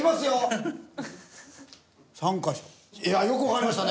よくわかりましたね。